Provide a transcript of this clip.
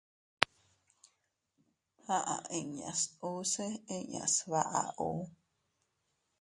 Aʼa inñas usse inña sbaʼa ù.